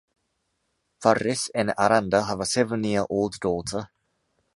Farrés and Aranda have a seven-year-old daughter.